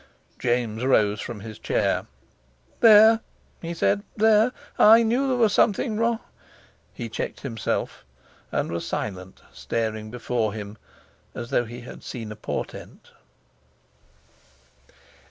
James rose from his chair. "There!" he said, "there! I knew there was something wro...." He checked himself, and was silent, staring before him, as though he had seen a portent.